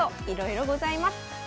いろいろございます。